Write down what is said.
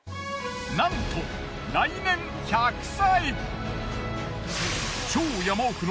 なんと来年１００歳！